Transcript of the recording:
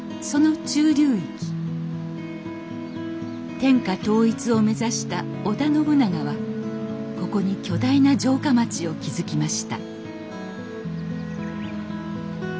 天下統一を目指した織田信長はここに巨大な城下町を築きました